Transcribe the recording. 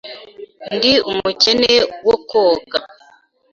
Ndi umukene wo koga.